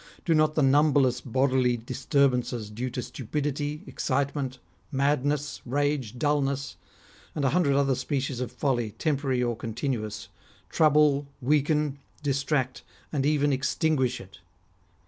Do not the numberless bodily disturbances due to stupidity, excitement, madness, rage, dullness, and a hundred other species of folly, temporary or continuous, trouble, weaken, distract, and even extinguish it